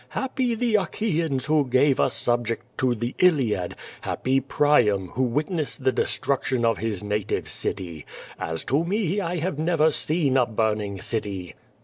Happy the Achaians who gave a subject to the Hiad, happy Priam, Avho witnessed the destruction of his native city. As_to me I have never seen a burning cit}'."